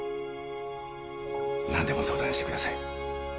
何でも相談してください。